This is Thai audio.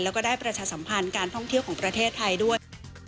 แล้วก็ได้ประชาสัมพันธ์การท่องเที่ยวของประเทศไทยด้วย